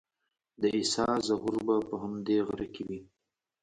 د عیسی ظهور به په همدې غره کې وي.